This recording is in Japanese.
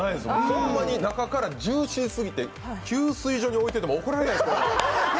ホンマに中から、ジューシー過ぎて給水所に置いていても怒られない。